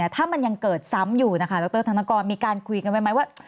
ถ้ามันยังเกิดซ้ำอยู่นะคะดรธนกรมีการคุยกันไว้ไหมว่า